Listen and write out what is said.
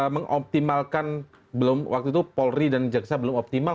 mengoptimalkan belum waktu itu polri dan jaksa belum optimal